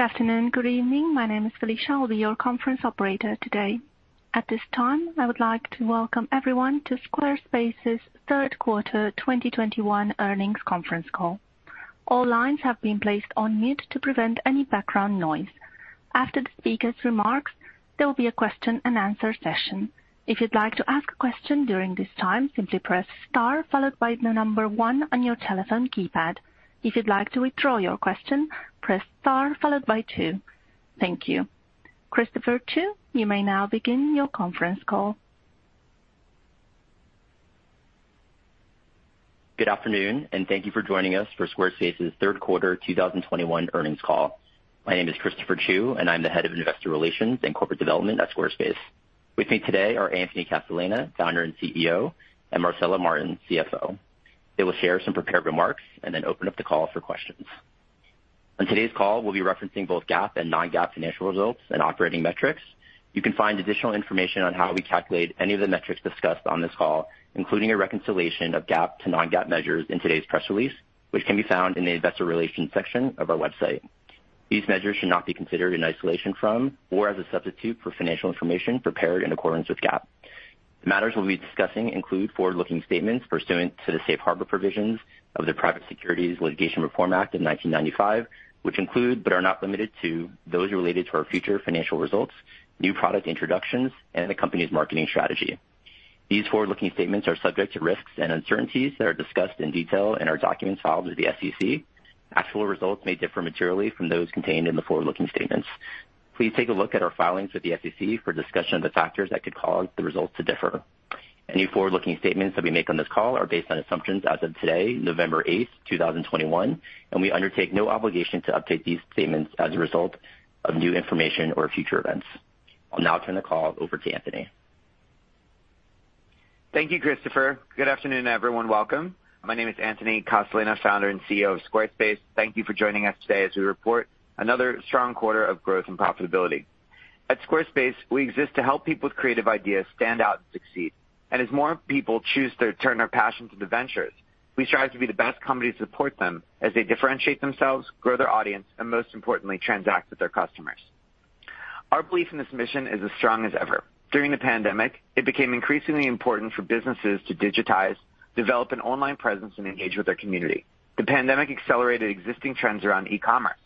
Good afternoon, good evening. My name is Felicia. I'll be your conference operator today. At this time, I would like to welcome everyone to Squarespace's third quarter 2021 earnings conference call. All lines have been placed on mute to prevent any background noise. After the speaker's remarks, there will be a question and answer session. If you'd like to ask a question during this time, simply press star followed by the number one on your telephone keypad. If you'd like to withdraw your question, press star followed by two. Thank you. Christopher Chiou, you may now begin your conference call. Good afternoon, and thank you for joining us for Squarespace's third quarter 2021 earnings call. My name is Christopher Chiou, and I'm the Head of Investor Relations and Corporate Development at Squarespace. With me today are Anthony Casalena, Founder and CEO, and Marcela Martin, CFO. They will share some prepared remarks and then open up the call for questions. On today's call, we'll be referencing both GAAP and non-GAAP financial results and operating metrics. You can find additional information on how we calculate any of the metrics discussed on this call, including a reconciliation of GAAP to non-GAAP measures in today's press release, which can be found in the Investor Relations section of our website. These measures should not be considered in isolation from or as a substitute for financial information prepared in accordance with GAAP. The matters we'll be discussing include forward-looking statements pursuant to the Safe Harbor Provisions of the Private Securities Litigation Reform Act of 1995, which include but are not limited to those related to our future financial results, new product introductions, and the company's marketing strategy. These forward-looking statements are subject to risks and uncertainties that are discussed in detail in our documents filed with the SEC. Actual results may differ materially from those contained in the forward-looking statements. Please take a look at our filings with the SEC for a discussion of the factors that could cause the results to differ. Any forward-looking statements that we make on this call are based on assumptions as of today, November 8, 2021, and we undertake no obligation to update these statements as a result of new information or future events. I'll now turn the call over to Anthony. Thank you, Christopher. Good afternoon, everyone. Welcome. My name is Anthony Casalena, Founder and CEO of Squarespace. Thank you for joining us today as we report another strong quarter of growth and profitability. At Squarespace, we exist to help people with creative ideas stand out and succeed. As more people choose to turn their passion into ventures, we strive to be the best company to support them as they differentiate themselves, grow their audience, and most importantly, transact with their customers. Our belief in this mission is as strong as ever. During the pandemic, it became increasingly important for businesses to digitize, develop an online presence, and engage with their community. The pandemic accelerated existing trends around e-commerce,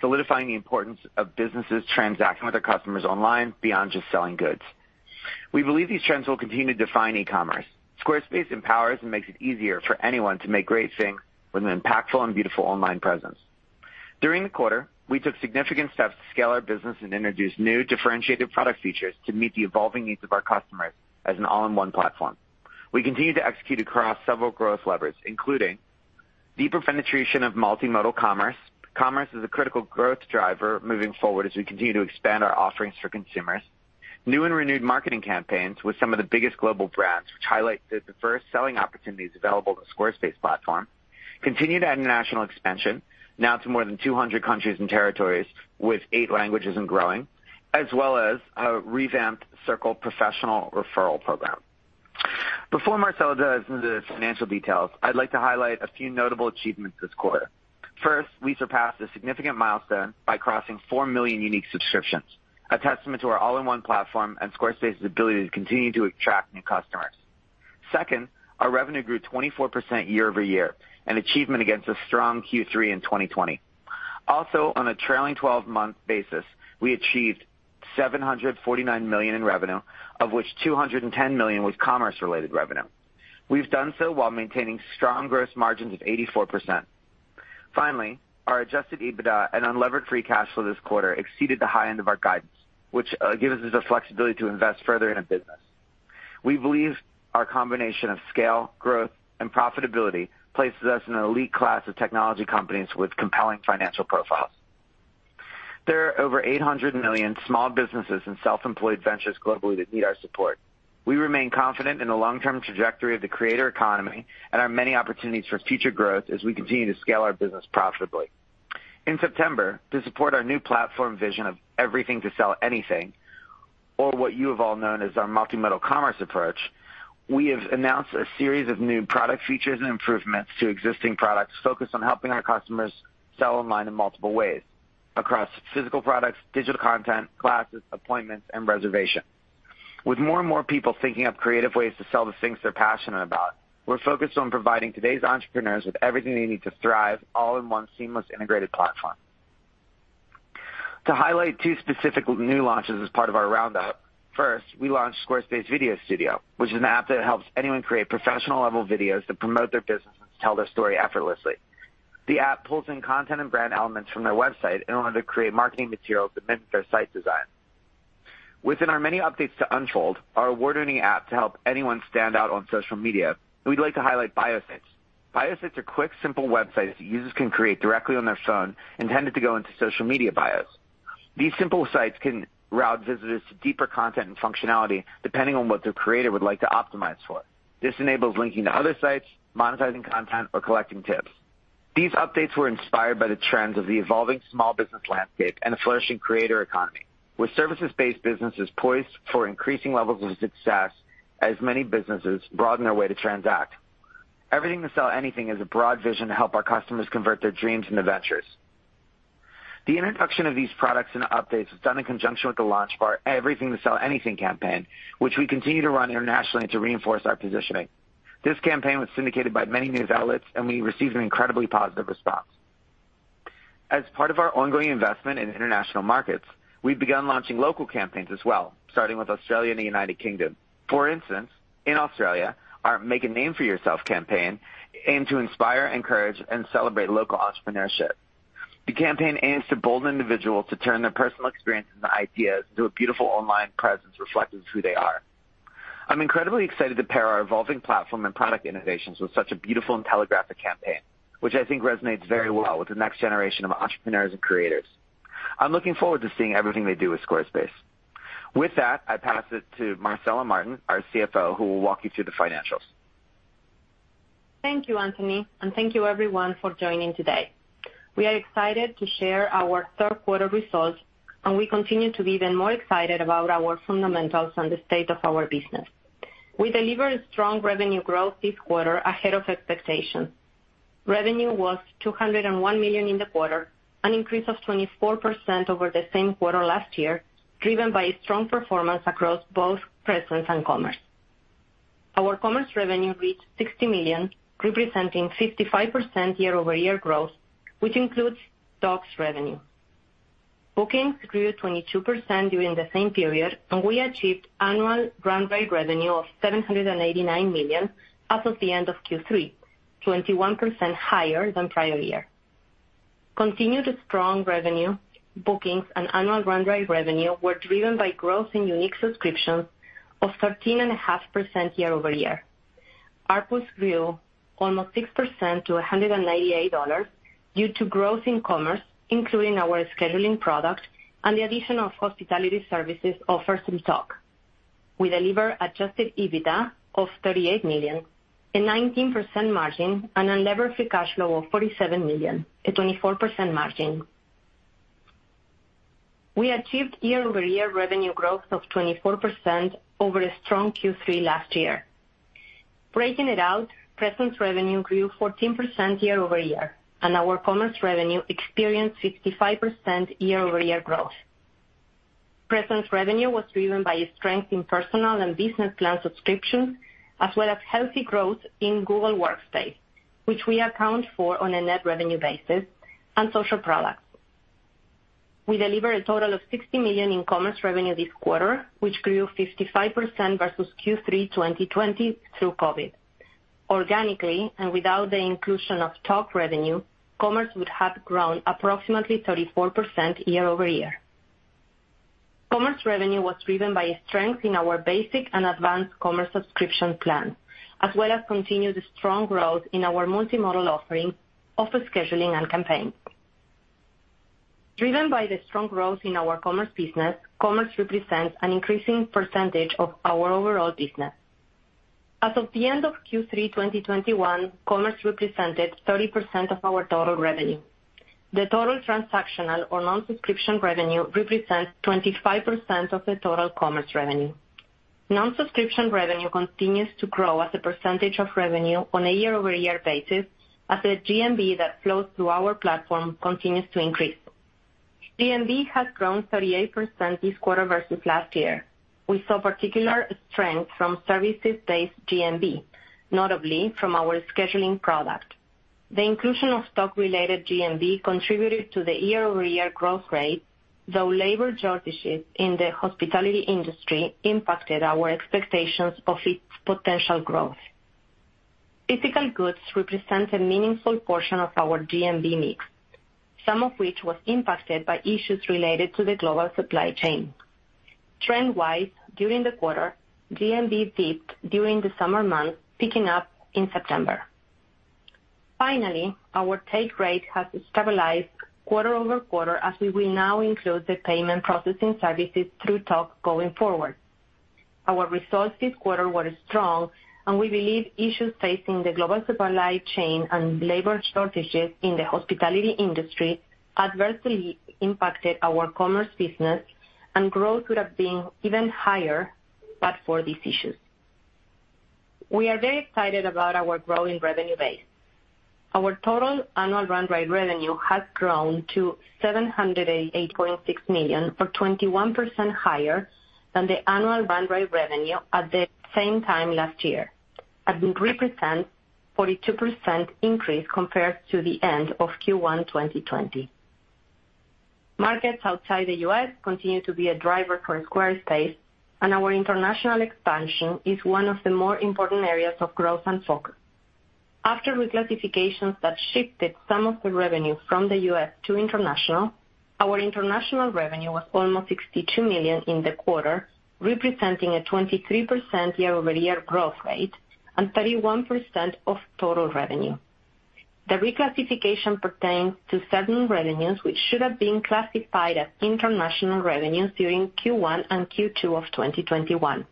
solidifying the importance of businesses transacting with their customers online beyond just selling goods. We believe these trends will continue to define e-commerce. Squarespace empowers and makes it easier for anyone to make great things with an impactful and beautiful online presence. During the quarter, we took significant steps to scale our business and introduce new differentiated product features to meet the evolving needs of our customers as an all-in-one platform. We continue to execute across several growth levers, including deeper penetration of multimodal commerce. Commerce is a critical growth driver moving forward as we continue to expand our offerings for consumers. New and renewed marketing campaigns with some of the biggest global brands which highlight the diverse selling opportunities available to Squarespace platform. Continued international expansion, now to more than 200 countries and territories with eight languages and growing, as well as a revamped Circle professional referral program. Before Marcela dives into the financial details, I'd like to highlight a few notable achievements this quarter. First, we surpassed a significant milestone by crossing four million unique subscriptions, a testament to our all-in-one platform and Squarespace's ability to continue to attract new customers. Second, our revenue grew 24% year over year, an achievement against a strong Q3 in 2020. Also, on a trailing-twelve-month basis, we achieved $749 million in revenue, of which $210 million was commerce-related revenue. We've done so while maintaining strong gross margins of 84%. Finally, our adjusted EBITDA and unlevered free cash flow this quarter exceeded the high end of our guidance, which gives us the flexibility to invest further in our business. We believe our combination of scale, growth, and profitability places us in an elite class of technology companies with compelling financial profiles. There are over 800 million small businesses and self-employed ventures globally that need our support. We remain confident in the long-term trajectory of the creator economy and our many opportunities for future growth as we continue to scale our business profitably. In September, to support our new platform vision of Everything to Sell Anything, or what you have all known as our multimodal commerce approach, we have announced a series of new product features and improvements to existing products focused on helping our customers sell online in multiple ways across physical products, digital content, classes, appointments, and reservation. With more and more people thinking of creative ways to sell the things they're passionate about, we're focused on providing today's entrepreneurs with everything they need to thrive all in one seamless integrated platform. To highlight two specific new launches as part of our roundup. First, we launched Squarespace Video Studio, which is an app that helps anyone create professional-level videos to promote their business and tell their story effortlessly. The app pulls in content and brand elements from their website in order to create marketing materials that match their site design. Within our many updates to Unfold, our award-winning app to help anyone stand out on social media, we'd like to highlight Bio Sites. Bio Sites are quick, simple websites users can create directly on their phone, intended to go into social media bios. These simple sites can route visitors to deeper content and functionality depending on what their creator would like to optimize for. This enables linking to other sites, monetizing content, or collecting tips. These updates were inspired by the trends of the evolving small business landscape and a flourishing creator economy with services-based businesses poised for increasing levels of success as many businesses broaden their way to transact. Everything to Sell Anything is a broad vision to help our customers convert their dreams into ventures. The introduction of these products and updates was done in conjunction with the launch of our Everything to Sell Anything campaign, which we continue to run internationally to reinforce our positioning. This campaign was syndicated by many news outlets, and we received an incredibly positive response. As part of our ongoing investment in international markets, we've begun launching local campaigns as well, starting with Australia and the United Kingdom. For instance, in Australia, our Make a Name for Yourself campaign aimed to inspire, encourage, and celebrate local entrepreneurship. The campaign aims to embolden individuals to turn their personal experiences and ideas into a beautiful online presence reflective of who they are. I'm incredibly excited to pair our evolving platform and product innovations with such a beautiful and telegraphic campaign, which I think resonates very well with the next generation of entrepreneurs and creators. I'm looking forward to seeing everything they do with Squarespace. With that, I pass it to Marcela Martin, our CFO, who will walk you through the financials. Thank you, Anthony, and thank you everyone for joining today. We are excited to share our third quarter results, and we continue to be even more excited about our fundamentals and the state of our business. We delivered strong revenue growth this quarter ahead of expectations. Revenue was $201 million in the quarter, an increase of 24% over the same quarter last year, driven by a strong performance across both Presence and Commerce. Our Commerce revenue reached $60 million, representing 55% year-over-year growth, which includes Tock's revenue. Bookings grew 22% during the same period, and we achieved annual run rate revenue of $789 million as of the end of Q3, 21% higher than prior year. Continued strong revenue, bookings, and annual run rate revenue were driven by growth in unique subscriptions of 13.5% year over year. ARPU grew almost 6% to $198 due to growth in Commerce, including our scheduling product and the addition of hospitality services offered through Tock. We delivered adjusted EBITDA of $38 million, a 19% margin, and unlevered free cash flow of $47 million, a 24% margin. We achieved year-over-year revenue growth of 24% over a strong Q3 last year. Breaking it out, Presence revenue grew 14% year over year, and our Commerce revenue experienced 55% year over year growth. Presence revenue was driven by strength in personal and business plan subscriptions, as well as healthy growth in Google Workspace, which we account for on a net revenue basis, and social products. We delivered a total of $60 million in Commerce revenue this quarter, which grew 55% versus Q3 2020 through COVID. Organically, and without the inclusion of Tock revenue, Commerce would have grown approximately 34% year-over-year. Commerce revenue was driven by strength in our basic and advanced Commerce subscription plan, as well as continued strong growth in our multimodal offering, offer scheduling, and campaigns. Driven by the strong growth in our Commerce business, Commerce represents an increasing percentage of our overall business. As of the end of Q3 2021, Commerce represented 30% of our total revenue. The total transactional or non-subscription revenue represents 25% of the total Commerce revenue. Non-subscription revenue continues to grow as a percentage of revenue on a year-over-year basis as the GMV that flows through our platform continues to increase. GMV has grown 38% this quarter versus last year. We saw particular strength from services-based GMV, notably from our scheduling product. The inclusion of Tock-related GMV contributed to the year-over-year growth rate, though labor shortages in the hospitality industry impacted our expectations of its potential growth. Physical goods represent a meaningful portion of our GMV mix, some of which was impacted by issues related to the global supply chain. Trend-wise, during the quarter, GMV dipped during the summer months, picking up in September. Finally, our take rate has stabilized quarter-over-quarter as we will now include the payment processing services through Tock going forward. Our results this quarter were strong, and we believe issues facing the global supply chain and labor shortages in the hospitality industry adversely impacted our Commerce business and growth could have been even higher but for these issues. We are very excited about our growing revenue base. Our total annual run rate revenue has grown to $708.6 million, or 21% higher than the annual run rate revenue at the same time last year, and represents 42% increase compared to the end of Q1 2020. Markets outside the U.S. continue to be a driver for Squarespace, and our international expansion is one of the more important areas of growth and focus. After reclassifications that shifted some of the revenue from the U.S. to international, our international revenue was almost $62 million in the quarter, representing a 23% year-over-year growth rate and 31% of total revenue. The reclassification pertains to certain revenues which should have been classified as international revenues during Q1 and Q2 of 2021.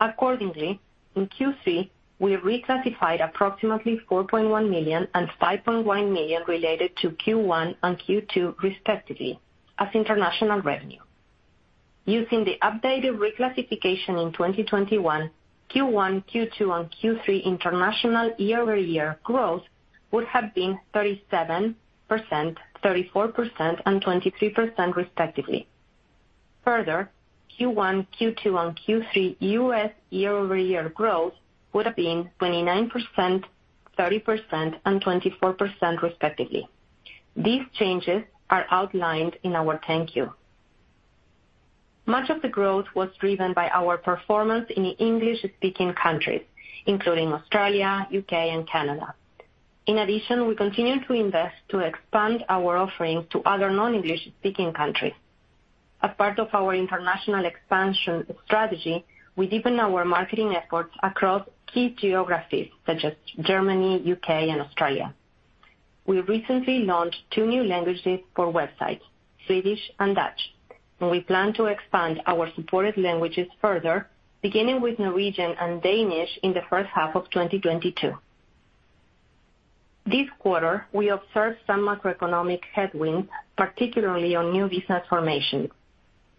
Accordingly, in Q3, we reclassified approximately $4.1 million and $5.1 million related to Q1 and Q2 respectively as international revenue. Using the updated reclassification in 2021, Q1, Q2, and Q3 international year-over-year growth would have been 37%, 34%, and 23% respectively. Further, Q1, Q2, and Q3 U.S. year-over-year growth would have been 29%, 30%, and 24% respectively. These changes are outlined in our 10-Q. Much of the growth was driven by our performance in the English-speaking countries, including Australia, U.K., and Canada. In addition, we continue to invest to expand our offering to other non-English-speaking countries. As part of our international expansion strategy, we deepen our marketing efforts across key geographies such as Germany, U.K., and Australia. We recently launched two new languages for websites, Swedish and Dutch, and we plan to expand our supported languages further, beginning with Norwegian and Danish in the first half of 2022. This quarter, we observed some macroeconomic headwinds, particularly on new business formation.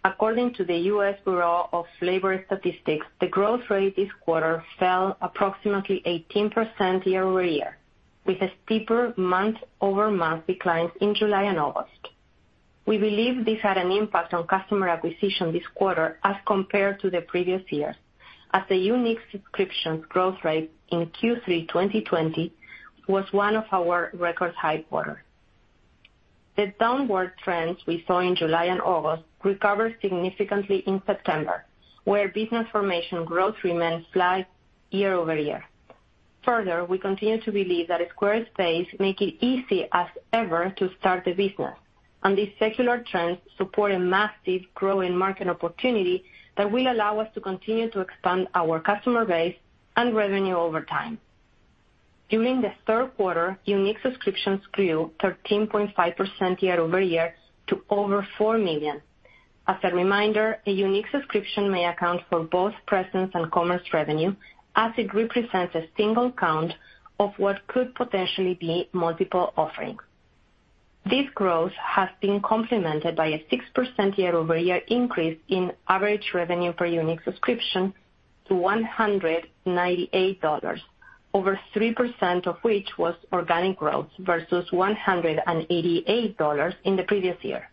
According to the U.S. Bureau of Labor Statistics, the growth rate this quarter fell approximately 18% year-over-year, with a steeper month-over-month decline in July and August. We believe this had an impact on customer acquisition this quarter as compared to the previous year, as the unique subscriptions growth rate in Q3 2020 was one of our record high quarter. The downward trends we saw in July and August recovered significantly in September, where business formation growth remained flat year-over-year. Further, we continue to believe that Squarespace make it easy as ever to start a business, and these secular trends support a massive growing market opportunity that will allow us to continue to expand our customer base and revenue over time. During the third quarter, unique subscriptions grew 13.5% year-over-year to over four million. As a reminder, a unique subscription may account for both presence and commerce revenue, as it represents a single count of what could potentially be multiple offerings. This growth has been complemented by a 6% year-over-year increase in average revenue per unique subscription to $198, over 3% of which was organic growth versus $188 in the previous year.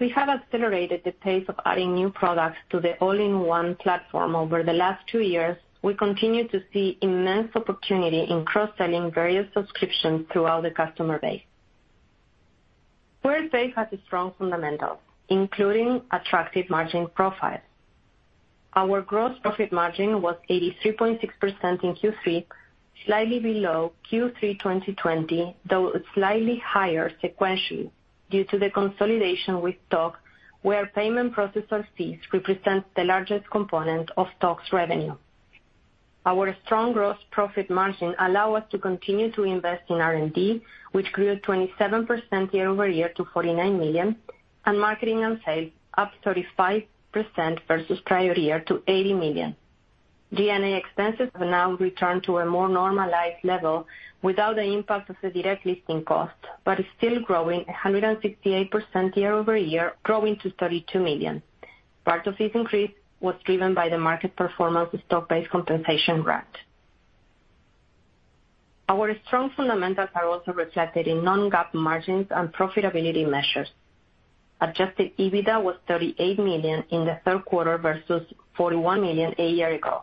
We have accelerated the pace of adding new products to the all-in-one platform over the last two years. We continue to see immense opportunity in cross-selling various subscriptions throughout the customer base. Squarespace has a strong fundamental, including attractive margin profile. Our gross profit margin was 83.6% in Q3, slightly below Q3 2020, though slightly higher sequentially due to the consolidation with Tock, where payment processor fees represent the largest component of Tock's revenue. Our strong gross profit margin allow us to continue to invest in R&D, which grew 27% year-over-year to $49 million, and marketing and sales up 35% versus prior year to $80 million. G&A expenses have now returned to a more normalized level without the impact of the direct listing cost, but is still growing 168% year-over-year, growing to $32 million. Part of this increase was driven by the market performance of stock-based compensation grant. Our strong fundamentals are also reflected in non-GAAP margins and profitability measures. Adjusted EBITDA was $38 million in the third quarter versus $41 million a year ago.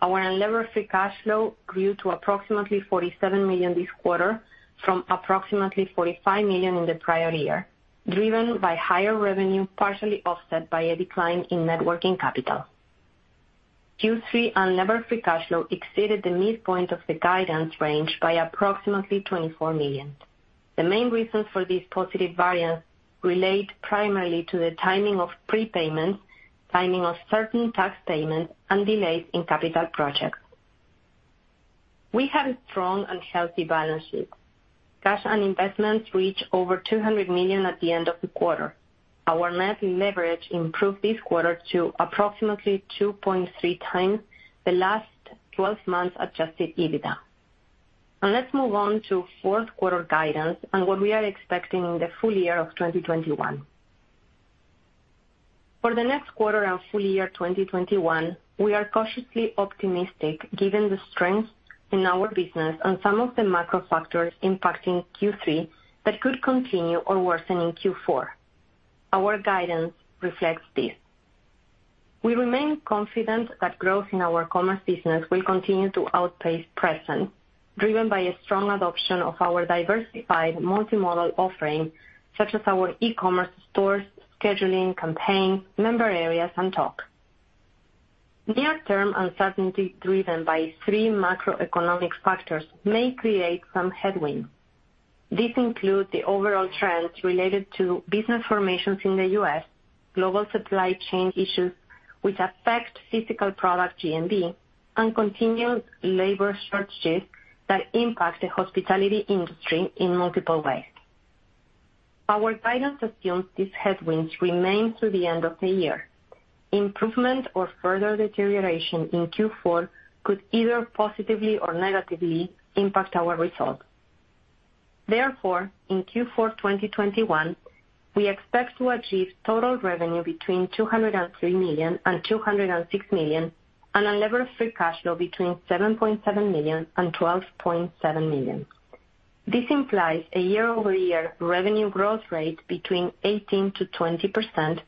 Our unlevered free cash flow grew to approximately $47 million this quarter from approximately $45 million in the prior year, driven by higher revenue, partially offset by a decline in net working capital. Q3 unlevered free cash flow exceeded the midpoint of the guidance range by approximately $24 million. The main reasons for this positive variance relate primarily to the timing of prepayments, timing of certain tax payments, and delays in capital projects. We have a strong and healthy balance sheet. Cash and investments reach over $200 million at the end of the quarter. Our net leverage improved this quarter to approximately 2.3 times the last 12 months adjusted EBITDA. Now let's move on to fourth quarter guidance and what we are expecting in the full year of 2021. For the next quarter and full year 2021, we are cautiously optimistic given the strength in our business and some of the macro factors impacting Q3 that could continue or worsen in Q4. Our guidance reflects this. We remain confident that growth in our commerce business will continue to outpace presence, driven by a strong adoption of our diversified multi-modal offering, such as our e-commerce stores, scheduling, campaign, Member Areas, and Tock. Near-term uncertainty driven by three macroeconomic factors may create some headwind. This includes the overall trends related to business formations in the U.S., global supply chain issues which affect physical product GMV, and continued labor shortages that impact the hospitality industry in multiple ways. Our guidance assumes these headwinds remain through the end of the year. Improvement or further deterioration in Q4 could either positively or negatively impact our results. Therefore, in Q4 2021, we expect to achieve total revenue between $203 million and $206 million, and unlevered free cash flow between $7.7 million and $12.7 million. This implies a year-over-year revenue growth rate between 18%-20%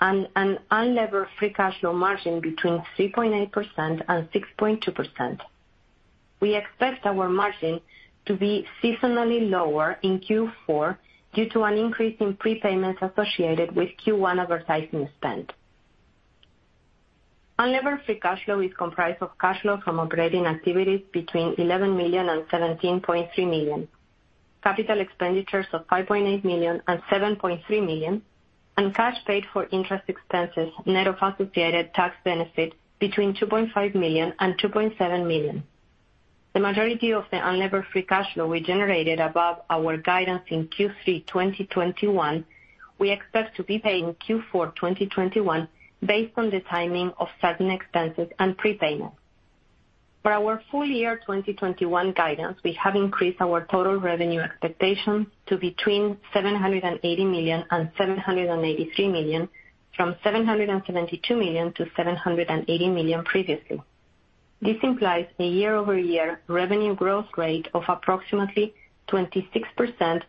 and an unlevered free cash flow margin between 3.8%-6.2%. We expect our margin to be seasonally lower in Q4 due to an increase in prepayments associated with Q1 advertising spend. Unlevered free cash flow is comprised of cash flow from operating activities between $11 million to $17.3 million, capital expenditures of $5.8 million to $7.3 million, and cash paid for interest expenses, net of associated tax benefit between $2.5 million to $2.7 million. The majority of the unlevered free cash flow we generated above our guidance in Q3 2021 we expect to be paid in Q4 2021 based on the timing of certain expenses and prepayments. For our full year 2021 guidance, we have increased our total revenue expectations to between $780 million and $783 million, from $772 million to $780 million previously. This implies a year-over-year revenue growth rate of approximately 26%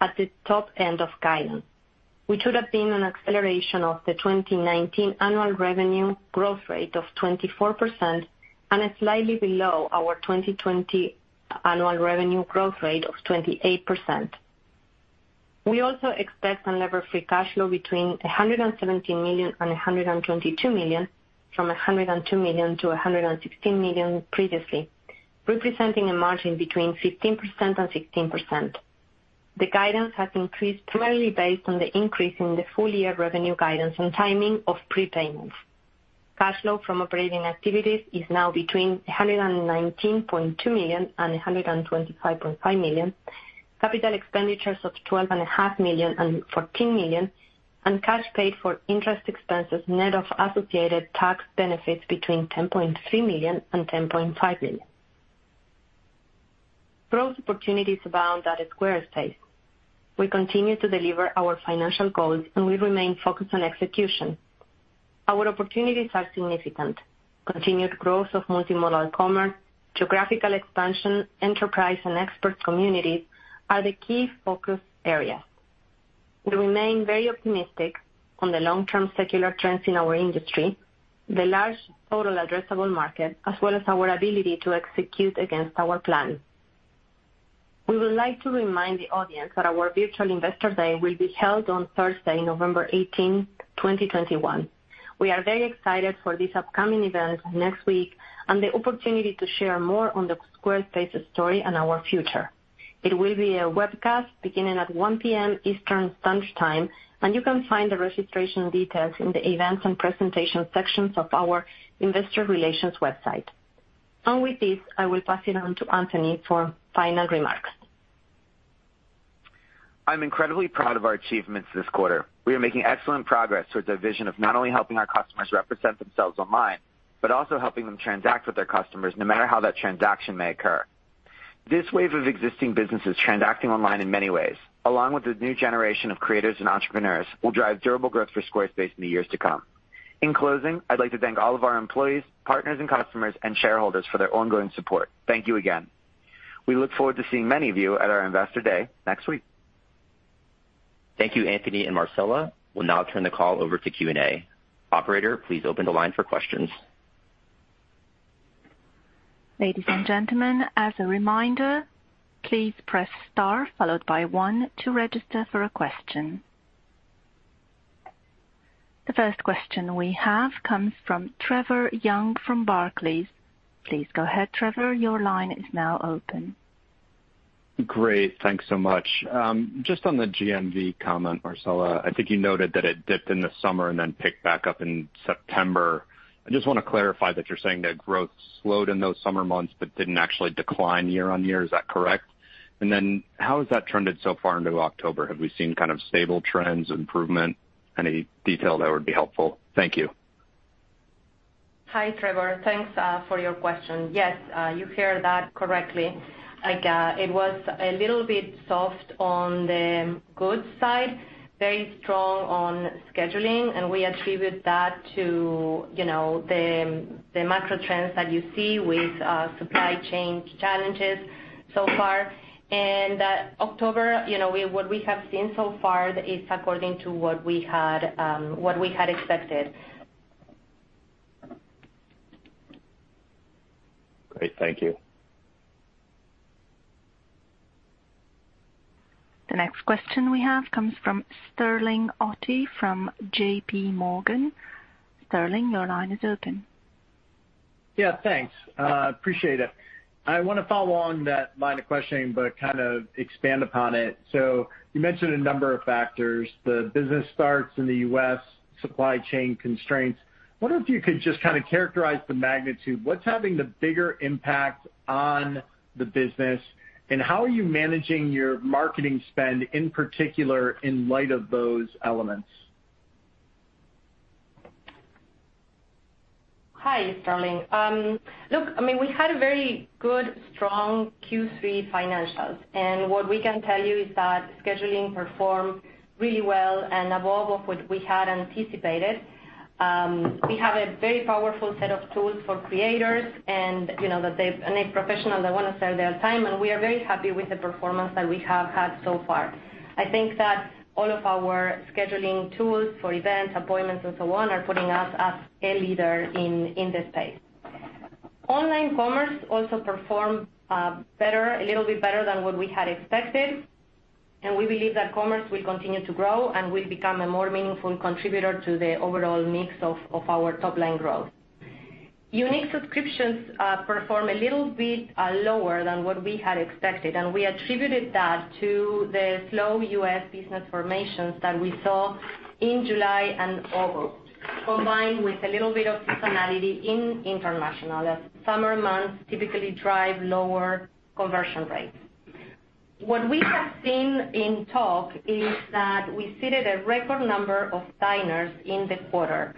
at the top end of guidance, which would have been an acceleration of the 2019 annual revenue growth rate of 24% and slightly below our 2020 annual revenue growth rate of 28%. We also expect unlevered free cash flow between $117 million and $122 million, from $102 million to $116 million previously, representing a margin between 15% and 16%. The guidance has increased primarily based on the increase in the full-year revenue guidance and timing of prepayments. Cash flow from operating activities is now between $119.2 million and $125.5 million. Capital expenditures of $12.5 million and $14 million, and cash paid for interest expenses net of associated tax benefits between $10.3 million and $10.5 million. Growth opportunities abound at Squarespace. We continue to deliver our financial goals, and we remain focused on execution. Our opportunities are significant. Continued growth of multimodal commerce, geographical expansion, enterprise, and expert communities are the key focus areas. We remain very optimistic on the long-term secular trends in our industry, the large total addressable market, as well as our ability to execute against our plan. We would like to remind the audience that our virtual Investor Day will be held on Thursday, November 18, 2021. We are very excited for this upcoming event next week and the opportunity to share more on the Squarespace story and our future. It will be a webcast beginning at 1:00 P.M. Eastern Standard Time, and you can find the registration details in the Events and Presentation sections of our investor relations website. With this, I will pass it on to Anthony for final remarks. I'm incredibly proud of our achievements this quarter. We are making excellent progress towards a vision of not only helping our customers represent themselves online, but also helping them transact with their customers no matter how that transaction may occur. This wave of existing businesses transacting online in many ways, along with the new generation of creators and entrepreneurs, will drive durable growth for Squarespace in the years to come. In closing, I'd like to thank all of our employees, partners and customers, and shareholders for their ongoing support. Thank you again. We look forward to seeing many of you at our Investor Day next week. Thank you, Anthony and Marcela. We'll now turn the call over to Q&A. Operator, please open the line for questions. Ladies and gentlemen, as a reminder, please press star followed by one to register for a question. The first question we have comes from Trevor Young from Barclays. Please go ahead, Trevor. Your line is now open. Great. Thanks so much. Just on the GMV comment, Marcela, I think you noted that it dipped in the summer and then picked back up in September. I just wanna clarify that you're saying that growth slowed in those summer months but didn't actually decline year-over-year. Is that correct? And then how has that trended so far into October? Have we seen kind of stable trends, improvement? Any detail that would be helpful. Thank you. Hi, Trevor. Thanks for your question. Yes, you heard that correctly. Like, it was a little bit soft on the goods side, very strong on scheduling, and we attribute that to, you know, the macro trends that you see with supply chain challenges so far. And october, you know, what we have seen so far is according to what we had expected. Great. Thank you. The next question we have comes from Sterling Auty from JP Morgan. Sterling, your line is open. Yeah, thanks. Appreciate it. I wanna follow along that line of questioning but kind of expand upon it. You mentioned a number of factors, the business starts in the U.S., supply chain constraints. Wonder if you could just kind of characterize the magnitude. What's having the bigger impact on the business, and how are you managing your marketing spend, in particular, in light of those elements? Hi, Sterling. Look, I mean, we had a very good strong Q3 financials, and what we can tell you is that scheduling performed really well and above what we had anticipated. We have a very powerful set of tools for creators and, you know, and a professional that wanna sell their time, and we are very happy with the performance that we have had so far. I think that all of our scheduling tools for events, appointments, and so on are putting us as a leader in this space. Online commerce also performed better, a little bit better than what we had expected, and we believe that commerce will continue to grow and will become a more meaningful contributor to the overall mix of our top line growth. Unique subscriptions perform a little bit lower than what we had expected, and we attributed that to the slow U.S. business formations that we saw in July and August, combined with a little bit of seasonality in international as summer months typically drive lower conversion rates. What we have seen in Tock is that we seated a record number of diners in the quarter.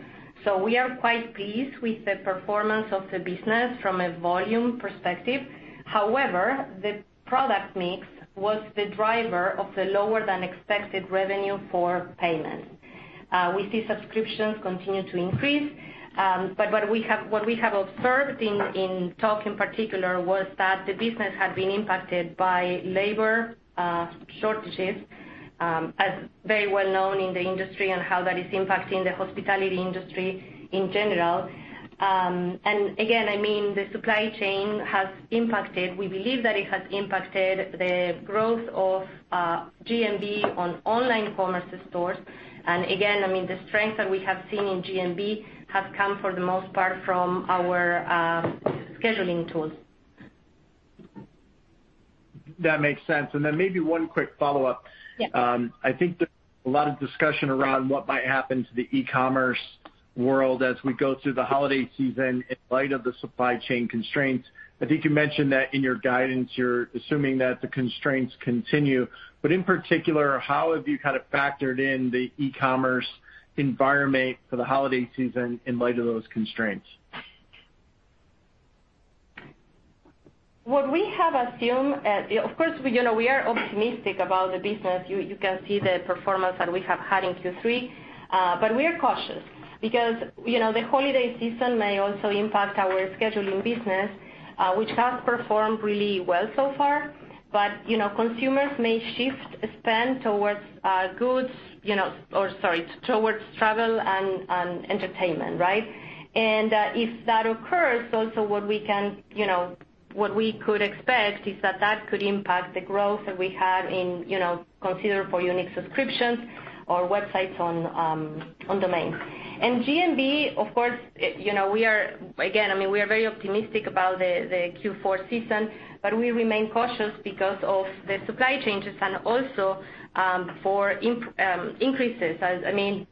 We are quite pleased with the performance of the business from a volume perspective. However, the product mix was the driver of the lower than expected revenue for payments. We see subscriptions continue to increase, but what we have observed in Tock in particular was that the business had been impacted by labor shortages, as is very well known in the industry on how that is impacting the hospitality industry in general. And again, I mean, the supply chain has impacted. We believe that it has impacted the growth of GMV on online commerce stores. Again, I mean, the strength that we have seen in GMV has come for the most part from our scheduling tools. That makes sense. Maybe one quick follow-up. Yeah. I think there's a lot of discussion around what might happen to the e-commerce world as we go through the holiday season in light of the supply chain constraints. I think you mentioned that in your guidance, you're assuming that the constraints continue, but in particular, how have you kind of factored in the e-commerce environment for the holiday season in light of those constraints? What we have assumed, of course, you know, we are optimistic about the business. You can see the performance that we have had in Q3. But we are cautious because, you know, the holiday season may also impact our scheduling business, which has performed really well so far. But you know, consumers may shift spend towards travel and entertainment, right? And if that occurs, what we could expect is that that could impact the growth that we had, you know, considered for unique subscriptions or websites on domains. In GMV, of course, you know, we are very optimistic about the Q4 season, but we remain cautious because of the supply changes and also for impending increases. I mean,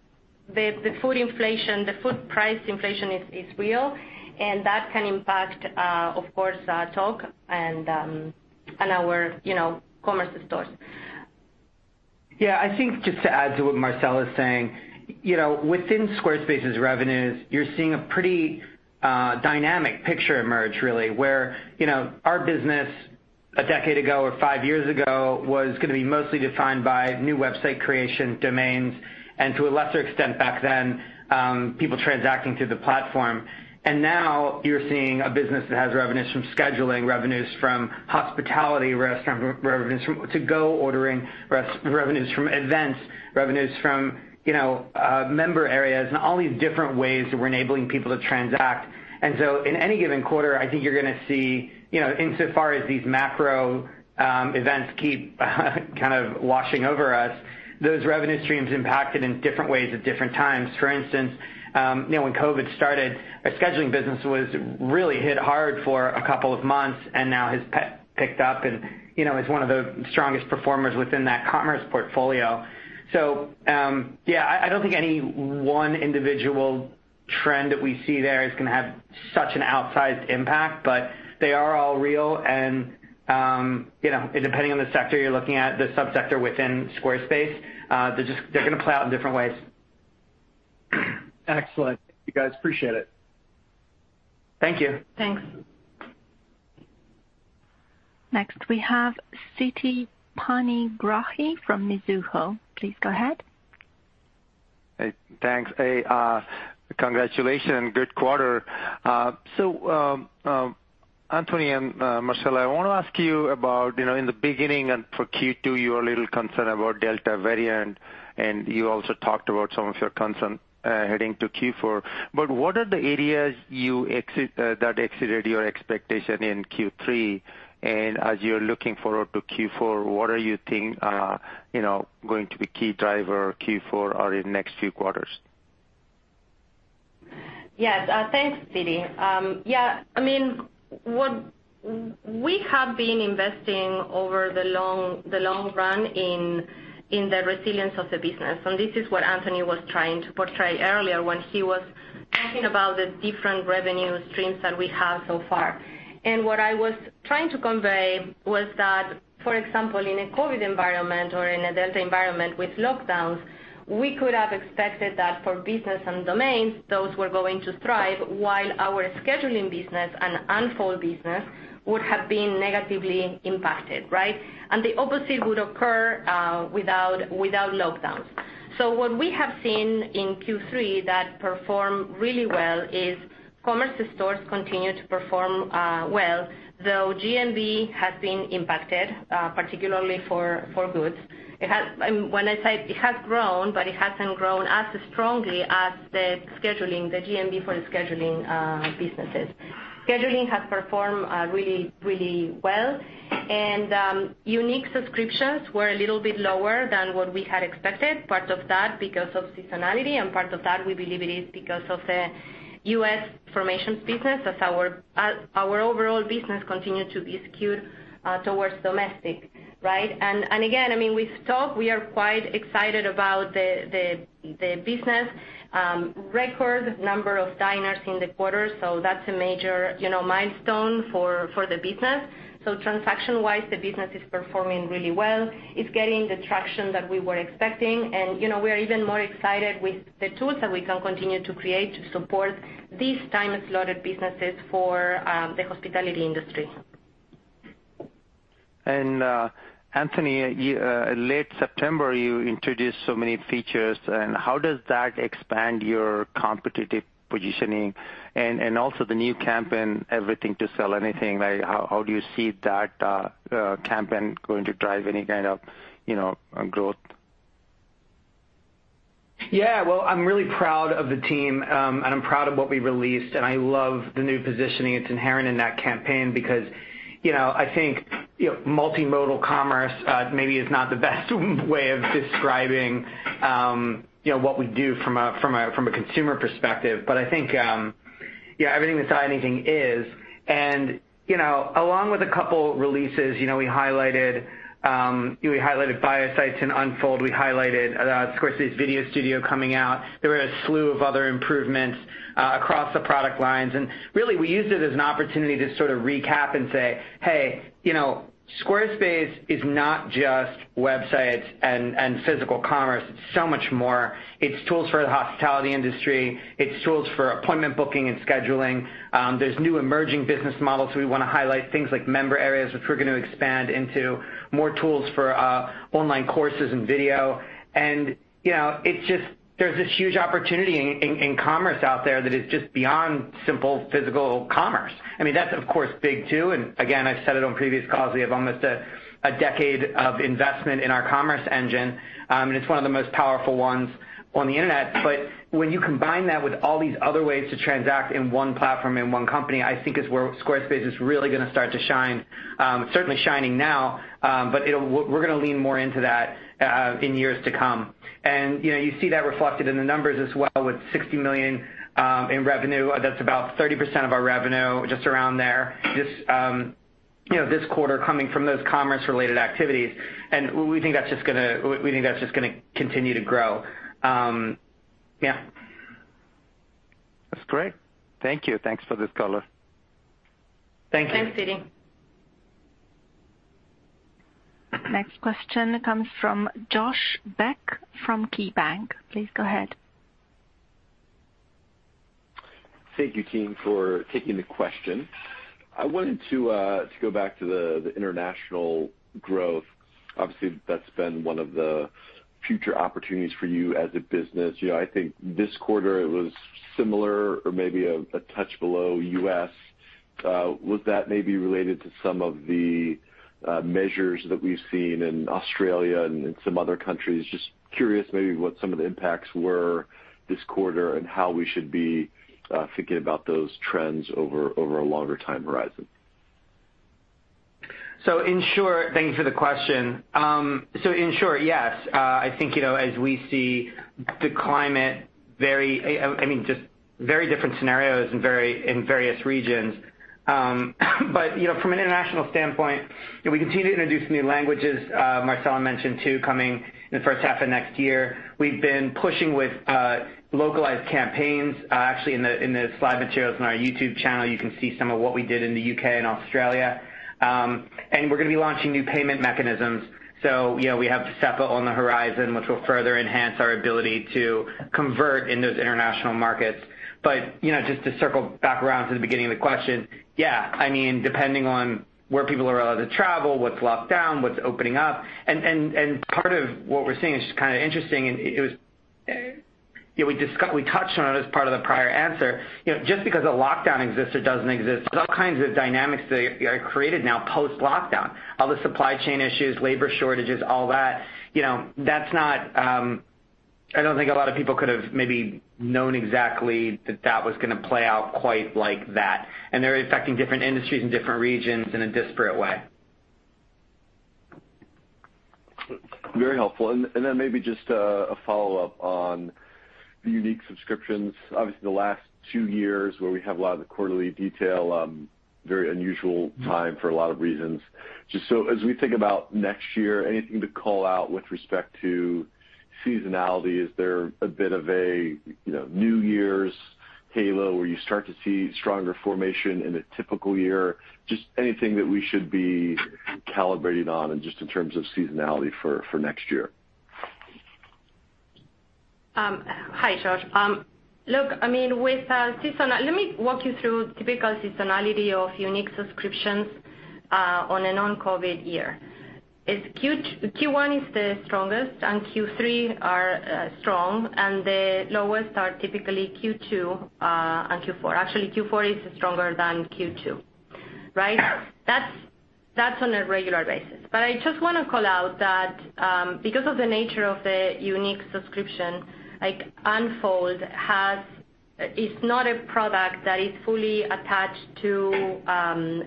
the food inflation, the food price inflation is real, and that can impact, of course, Tock and our, you know, commerce stores. Yeah, I think just to add to what Marcela is saying, you know, within Squarespace's revenues, you're seeing a pretty dynamic picture emerge really, where, you know, our business a decade ago or five years ago was gonna be mostly defined by new website creation domains, and to a lesser extent back then, people transacting through the platform. And now you're seeing a business that has revenues from scheduling, revenues from hospitality, restaurant revenues from to-go ordering, revenues from events, revenues from, you know, Member Areas, and all these different ways that we're enabling people to transact. In any given quarter, I think you're gonna see, you know, insofar as these macro events keep kind of washing over us, those revenue streams impacted in different ways at different times. For instance, you know, when COVID started, our scheduling business was really hit hard for a couple of months and now has picked up and, you know, is one of the strongest performers within that commerce portfolio. So, yeah, I don't think any one individual trend that we see there is gonna have such an outsized impact, but they are all real and, you know, depending on the sector you're looking at, the subsector within Squarespace, they're gonna play out in different ways. Excellent. You guys appreciate it. Thank you. Thanks. Next, we have Siti Panigrahi from Mizuho. Please go ahead. Hey, thanks. Hey, congratulations. Good quarter. So, Anthony and Marcela, I wanna ask you about, you know, in the beginning and for Q2, you were a little concerned about Delta variant, and you also talked about some of your concern heading to Q4. What are the areas that exceeded your expectation in Q3? As you're looking forward to Q4, what do you think, you know, are going to be the key drivers for Q4 or in the next few quarters? Yes. Thanks, Siti. Yeah, I mean, we have been investing over the long run in the resilience of the business. This is what Anthony was trying to portray earlier when he was talking about the different revenue streams that we have so far. What I was trying to convey was that, for example, in a COVID environment or in a Delta environment with lockdowns, we could have expected that for business and domains, those were going to thrive while our scheduling business and Unfold business would have been negatively impacted, right? The opposite would occur without lockdowns. So what we have seen in Q3 that performed really well is commerce stores continue to perform well, though GMV has been impacted, particularly for goods. I mean, when I say it has grown, but it hasn't grown as strongly as the scheduling, the GMV for the scheduling businesses. Scheduling has performed really well. Unique subscriptions were a little bit lower than what we had expected, part of that because of seasonality, and part of that we believe it is because of the U.S. formations business as our overall business continued to be skewed towards domestic, right? And again, I mean, we've talked, we are quite excited about the business, record number of diners in the quarter. That's a major, you know, milestone for the business. Transaction-wise, the business is performing really well. It's getting the traction that we were expecting. You know, we are even more excited with the tools that we can continue to create to support these time-slotted businesses for the hospitality industry. Anthony, late September, you introduced so many features. How does that expand your competitive positioning and also the new campaign, Everything to Sell Anything? Like, how do you see that campaign going to drive any kind of, you know, growth? Yeah. Well, I'm really proud of the team, and I'm proud of what we released, and I love the new positioning that's inherent in that campaign because, you know, I think, you know, multimodal commerce maybe is not the best way of describing, you know, what we do from a consumer perspective. But I think, yeah, Everything to Sell Anything is. You know, along with a couple releases, you know, we highlighted Bio Sites and Unfold. We highlighted, of course, this Video Studio coming out. There were a slew of other improvements across the product lines. Really, we used it as an opportunity to sort of recap and say, Hey, you know, Squarespace is not just websites and physical commerce. It's so much more. It's tools for the hospitality industry. It's tools for appointment booking and scheduling. There's new emerging business models, so we wanna highlight things like Member Areas, which we're gonna expand into more tools for online courses and video. And you know, it's just there's this huge opportunity in commerce out there that is just beyond simple physical commerce. I mean, that's of course big too. Again, I've said it on previous calls, we have almost a decade of investment in our commerce engine. And it's one of the most powerful ones on the internet. But when you combine that with all these other ways to transact in one platform, in one company, I think is where Squarespace is really gonna start to shine. It's certainly shining now, but we're gonna lean more into that in years to come. You know, you see that reflected in the numbers as well with $60 million in revenue. That's about 30% of our revenue, just around there, just, you know, this quarter coming from those commerce-related activities. We think that's just gonna continue to grow. Yeah. That's great. Thank you. Thanks for this call. Thank you. Thanks, Siti. Next question comes from Josh Beck from KeyBanc. Please go ahead. Thank you, team, for taking the question. I wanted to go back to the international growth. Obviously, that's been one of the future opportunities for you as a business. You know, I think this quarter it was similar or maybe a touch below U.S. Was that maybe related to some of the measures that we've seen in Australia and in some other countries? Just curious maybe what some of the impacts were this quarter and how we should be thinking about those trends over a longer time horizon. So, in short. Thank you for the question. In short, yes. I think, you know, as we see the climate, I mean, just very different scenarios in various regions. From an international standpoint, you know, we continue to introduce new languages. Marcela mentioned two, coming in the first half of next year. We've been pushing with localized campaigns. Actually in the slide materials on our YouTube channel, you can see some of what we did in the U.K. and Australia. We're gonna be launching new payment mechanisms. You know, we have SEPA on the horizon, which will further enhance our ability to convert in those international markets. You know, just to circle back around to the beginning of the question, yeah, I mean, depending on where people are allowed to travel, what's locked down, what's opening up. And then, part of what we're seeing is just kind of interesting, and it was, you know, we touched on it as part of the prior answer. You know, just because a lockdown exists or doesn't exist, there's all kinds of dynamics that are created now post-lockdown. All the supply chain issues, labor shortages, all that, you know, that's not, I don't think a lot of people could have maybe known exactly that that was gonna play out quite like that, and they're affecting different industries and different regions in a disparate way. Very helpful. Then maybe just a follow-up on the unique subscriptions. Obviously, the last two years where we have a lot of the quarterly detail, very unusual time for a lot of reasons. Just so as we think about next year, anything to call out with respect to seasonality? Is there a bit of a, you know, New Year's halo where you start to see stronger formation in a typical year? Just anything that we should be calibrating on and just in terms of seasonality for next year? Hi, Josh. Look, I mean, with seasonality. Let me walk you through typical seasonality of unique subscriptions on a non-COVID year. It's Q1 is the strongest and Q3 are strong, and the lowest are typically Q2 and Q4. Actually, Q4 is stronger than Q2. Right? That's on a regular basis. I just wanna call out that, because of the nature of the unique subscription, like, Unfold, it's not a product that is fully attached to,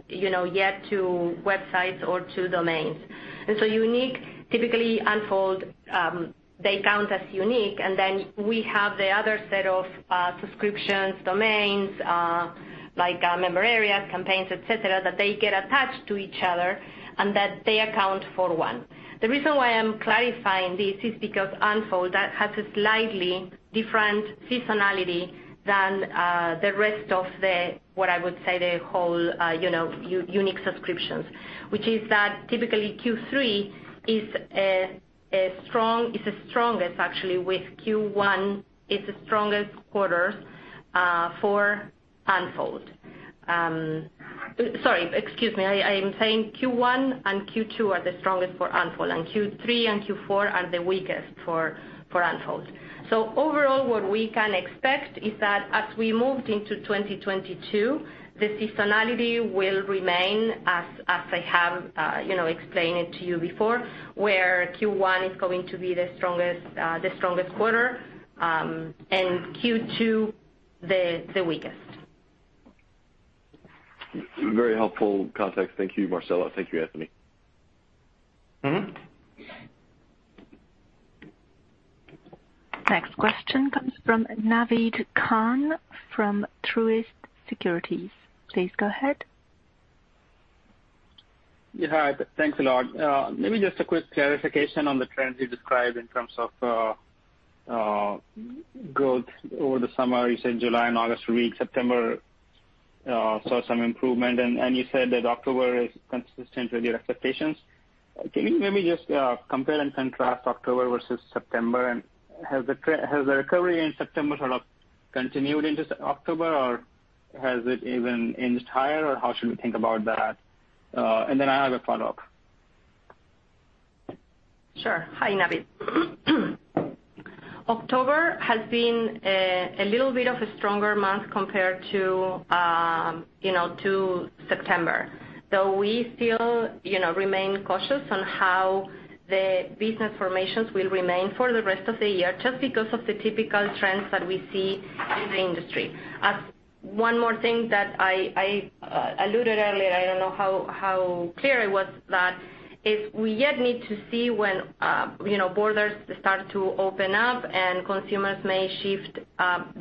you know, yet to websites or to domains. And so unique, typically, Unfold, they count as unique, and then we have the other set of subscriptions, domains, like our Member Areas, campaigns, et cetera, that they get attached to each other and that they account for one. The reason why I'm clarifying this is because Unfold that has a slightly different seasonality than the rest of the, what I would say, the whole, you know, unique subscriptions. Which is that typically Q3 is the strongest actually, with Q1 is the strongest quarter for Unfold. Sorry. Excuse me. I'm saying Q1 and Q2 are the strongest for Unfold, and Q3 and Q4 are the weakest for Unfold. Overall, what we can expect is that as we move into 2022, the seasonality will remain as I have, you know, explained it to you before, where Q1 is going to be the strongest the strongest quarter, and Q2 the weakest. Very helpful context. Thank you, Marcela. Thank you, Anthony. Mm-hmm. Next question comes from Naved Khan from Truist Securities. Please go ahead. Yeah. Hi. Thanks a lot. Maybe just a quick clarification on the trends you described in terms of growth over the summer. You said July and August were weak. September saw some improvement. You said that October is consistent with your expectations. Can you maybe just compare and contrast October versus September? Has the recovery in September sort of continued into October, or has it even inched higher, or how should we think about that? Then I have a follow-up. Sure. Hi, Naved. October has been a little bit of a stronger month compared to, you know, to September. Though we still, you know, remain cautious on how the business formations will remain for the rest of the year, just because of the typical trends that we see in the industry. One more thing that I alluded earlier, I don't know how clear I was that is we yet need to see when, you know, borders start to open up and consumers may shift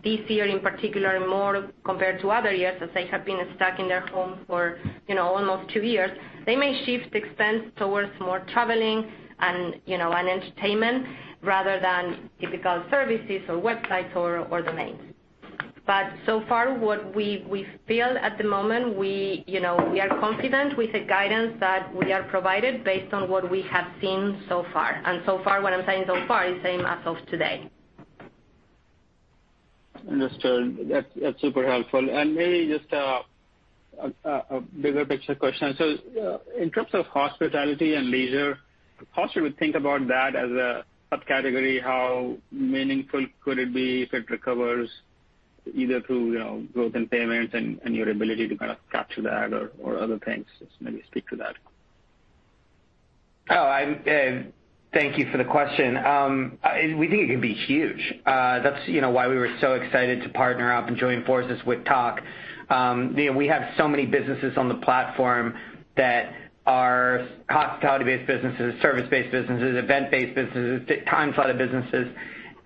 this year in particular more compared to other years as they have been stuck in their homes for, you know, almost two years. They may shift expense towards more traveling and, you know, and entertainment rather than typical services or websites or domains. But so far what we feel at the moment, you know, we are confident with the guidance that we have provided based on what we have seen so far. So far, when I'm saying so far, it's same as of today. Understood. That's super helpful. Maybe just a bigger picture question. In terms of hospitality and leisure, how should we think about that as a subcategory? How meaningful could it be if it recovers either through growth in payments and your ability to kind of capture that or other things? Just maybe speak to that. Thank you for the question. We think it can be huge. That's, you know, why we were so excited to partner up and join forces with Tock. You know, we have so many businesses on the platform that are hospitality-based businesses, service-based businesses, event-based businesses, time-slotted businesses.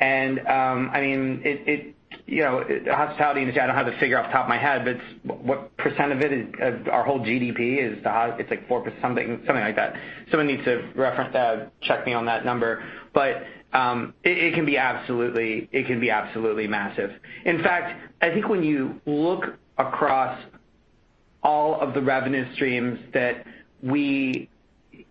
I mean, it, you know, hospitality. I don't have the figure off the top of my head, but what percent of it is of our whole GDP is the hospitality—it's like 4% something like that. Someone needs to reference that, check me on that number. It can be absolutely massive. In fact, I think when you look across all of the revenue streams that we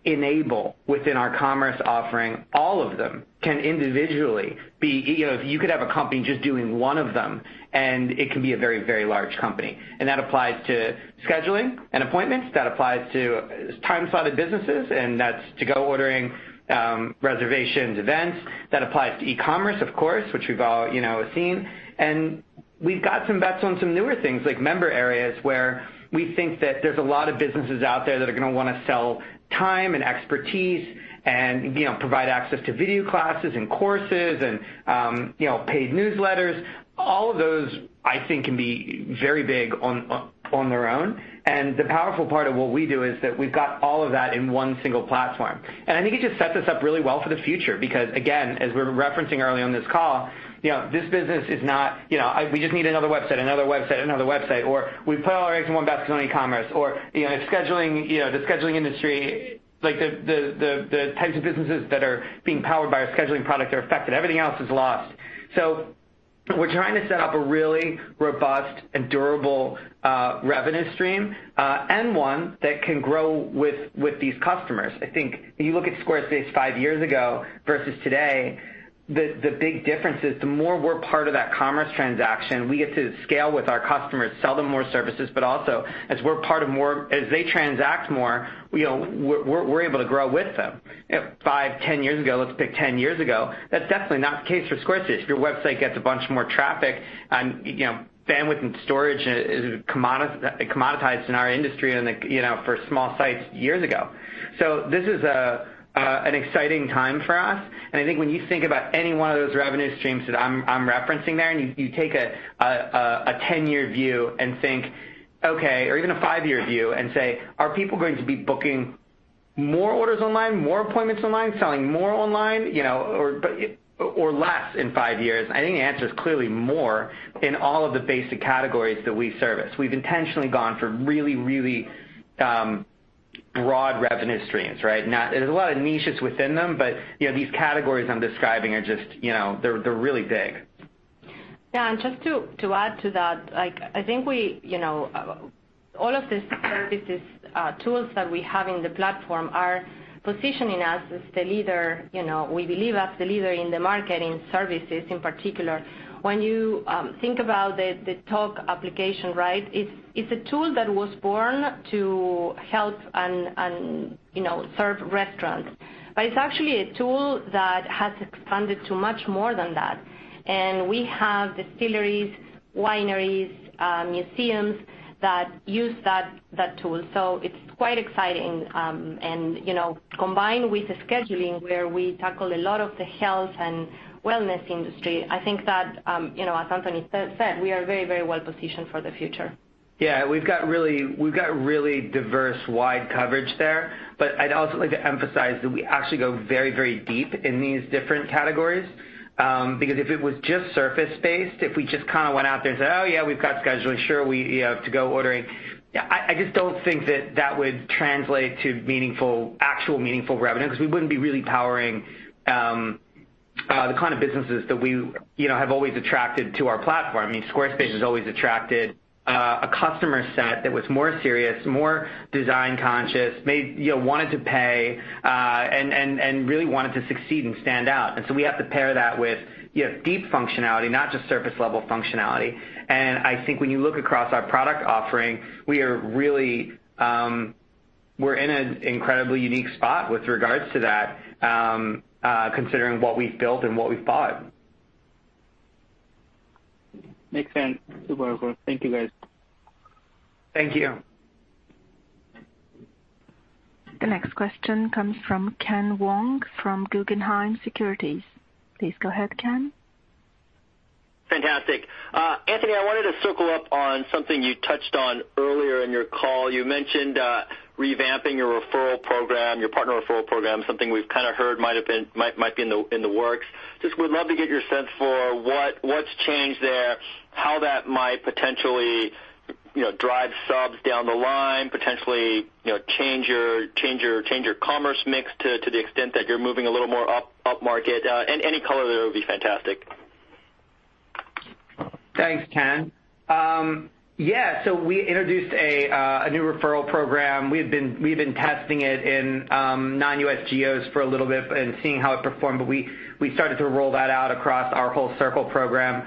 enable within our commerce offering, all of them can individually be, you know, you could have a company just doing one of them, and it can be a very, very large company. That applies to scheduling and appointments. That applies to time-slotted businesses, and that's to-go ordering, reservations, events. That applies to e-commerce, of course, which we've all, you know, seen. We've got some bets on some newer things like Member Areas, where we think that there's a lot of businesses out there that are gonna wanna sell time and expertise and, you know, provide access to video classes and courses and, you know, paid newsletters. All of those, I think, can be very big on their own. And the powerful part of what we do is that we've got all of that in one single platform. I think it just sets us up really well for the future because, again, as we were referencing earlier on this call, you know, this business is not, you know, we just need another website, another website, another website, or we put all our eggs in one basket on e-commerce, or, you know, scheduling, you know, the scheduling industry, like the types of businesses that are being powered by our scheduling product are affected. Everything else is lost. So, we're trying to set up a really robust and durable revenue stream, and one that can grow with these customers. I think if you look at Squarespace five years ago versus today, the big difference is the more we're part of that commerce transaction, we get to scale with our customers, sell them more services, but also as they transact more, you know, we're able to grow with them. You know, five, 10 years ago, let's pick 10 years ago, that's definitely not the case for Squarespace. If your website gets a bunch more traffic, you know, bandwidth and storage is commoditized in our industry and, like, you know, for small sites years ago. This is an exciting time for us. I think when you think about any one of those revenue streams that I'm referencing there, and you take a 10-year view and think, okay, or even a five year view and say, are people going to be booking more orders online, more appointments online, selling more online, you know, or less in five years? I think the answer is clearly more in all of the basic categories that we service. We've intentionally gone for really broad revenue streams, right? Now, there's a lot of niches within them, but, you know, these categories I'm describing are just, you know, they're really big. Yeah. Just to add to that, like, I think we, you know, all of these services, tools that we have in the platform are positioning us as the leader, you know, we believe as the leader in the market, in services, in particular. When you think about the Tock application, right? It's a tool that was born to help and you know, serve restaurants. It's actually a tool that has expanded to much more than that. We have distilleries, wineries, museums that use that tool. It's quite exciting, you know, combined with the scheduling where we tackle a lot of the health and wellness industry. I think that, you know, as Anthony said, we are very, very well positioned for the future. Yeah, we've got really diverse, wide coverage there. I'd also like to emphasize that we actually go very, very deep in these different categories. Because if it was just surface-based, if we just kinda went out there and said, "Oh, yeah, we've got scheduling. Sure, you know, to-go ordering." I just don't think that would translate to meaningful revenue because we wouldn't be really powering the kind of businesses that we, you know, have always attracted to our platform. I mean, Squarespace has always attracted a customer set that was more serious, more design conscious, maybe, you know, wanted to pay and really wanted to succeed and stand out. We have to pair that with, you know, deep functionality, not just surface-level functionality. I think when you look across our product offering, we're in an incredibly unique spot with regards to that, considering what we've built and what we've bought. Makes sense. Super. Thank you, guys. Thank you. The next question comes from Ken Wong from Guggenheim Securities. Please go ahead, Ken. Fantastic. Anthony, I wanted to circle up on something you touched on earlier in your call. You mentioned revamping your referral program, your partner referral program, something we've kinda heard might be in the works. Just would love to get your sense for what's changed there? How that might potentially drive subs down the line, potentially change your commerce mix to the extent that you're moving a little more upmarket, and any color there would be fantastic. Thanks, Ken. Yeah, so we introduced a new referral program. We've been testing it in non-US geos for a little bit and seeing how it performed. We started to roll that out across our whole Circle program,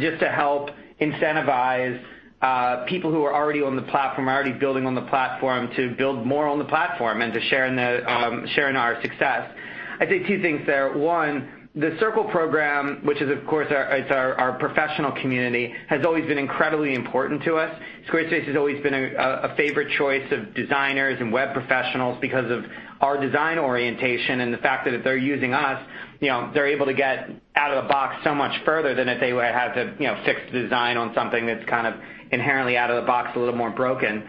just to help incentivize people who are already on the platform, are already building on the platform to build more on the platform and to share in our success. I'd say two things there. One, the Circle program, which is, of course, our professional community, has always been incredibly important to us. Squarespace has always been a favorite choice of designers and web professionals because of our design orientation and the fact that if they're using us, you know, they're able to get out of the box so much further than if they would have to, you know, fix the design on something that's kind of inherently out of the box, a little more broken.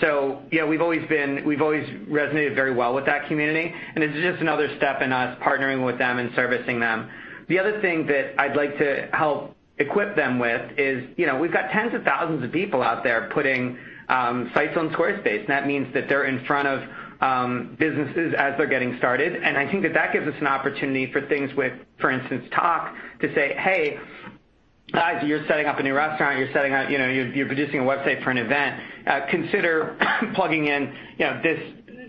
So, you know, we've always resonated very well with that community, and this is just another step in us partnering with them and servicing them. The other thing that I'd like to help equip them with is, you know, we've got tens of thousands of people out there putting sites on Squarespace, and that means that they're in front of businesses as they're getting started. I think that gives us an opportunity for things with, for instance, Tock to say, "Hey, as you're setting up a new restaurant, you're producing a website for an event, consider plugging in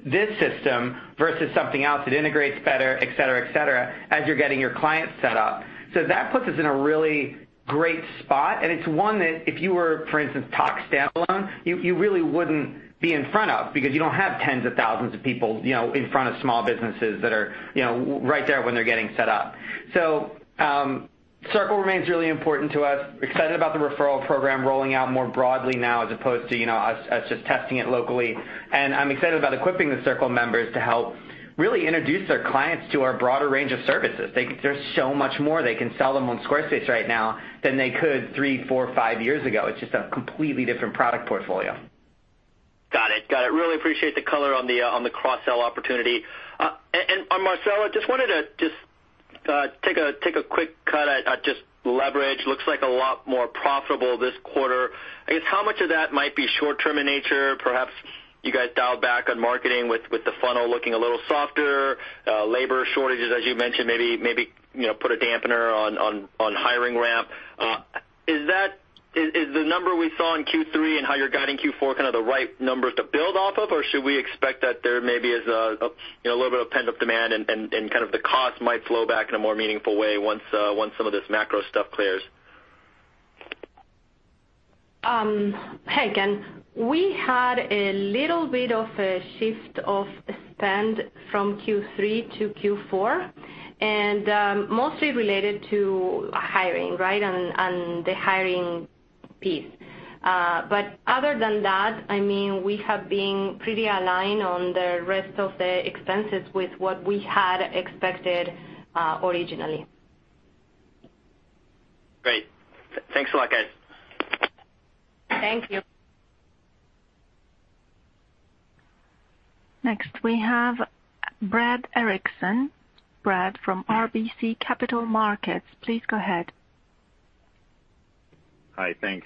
this system versus something else that integrates better, et cetera, et cetera, as you're getting your clients set up." That puts us in a really great spot. It's one that if you were, for instance, Tock standalone, you really wouldn't be in front of because you don't have tens of thousands of people in front of small businesses that are right there when they're getting set up. So, Circle remains really important to us. I'm excited about the referral program rolling out more broadly now as opposed to us just testing it locally. I'm excited about equipping the Circle members to help really introduce their clients to our broader range of services. There's so much more they can sell them on Squarespace right now than they could three, four, five years ago. It's just a completely different product portfolio. Got it. Really appreciate the color on the cross-sell opportunity. Marcel, just wanted to take a quick cut at just leverage. Looks like a lot more profitable this quarter. I guess how much of that might be short term in nature, perhaps. You guys dialed back on marketing with the funnel looking a little softer, labor shortages, as you mentioned, maybe you know, put a damper on hiring ramp. Is that the number we saw in Q3 and how you're guiding Q4 kind of the right numbers to build off of? Should we expect that there may be you know, a little bit of pent-up demand and kind of the cost might flow back in a more meaningful way once some of this macro stuff clears? Hey, Ken. We had a little bit of a shift of spend from Q3 to Q4, and mostly related to hiring, right? The hiring piece. Other than that, I mean, we have been pretty aligned on the rest of the expenses with what we had expected, originally. Great. Thanks a lot, guys. Thank you. Next, we have Brad Erickson. Brad from RBC Capital Markets, please go ahead. Hi, thanks.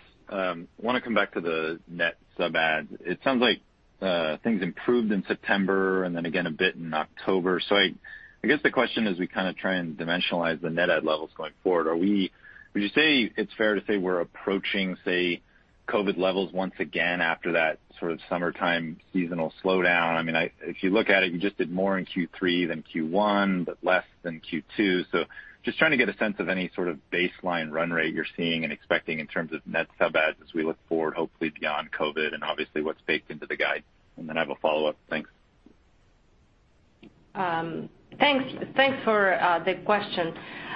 Wanna come back to the net sub-ads. It sounds like things improved in September and then again a bit in October. I guess the question as we kinda try and dimensionalize the net ad levels going forward, would you say it's fair to say we're approaching, say, COVID levels once again after that sort of summertime seasonal slowdown? I mean, if you look at it, you just did more in Q3 than Q1, but less than Q2. So, just trying to get a sense of any sort of baseline run rate you're seeing and expecting in terms of net sub-ads as we look forward, hopefully beyond COVID and obviously what's baked into the guide. Then I have a follow-up. Thanks. Thanks for the question.